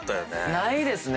ないですね。